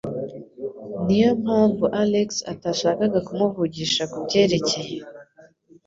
Niyompamvu Alex atashakaga kumuvugisha kubyerekeye?